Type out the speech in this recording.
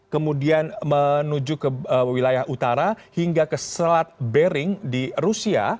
kemudian menuju ke wilayah utara hingga ke selat bering di rusia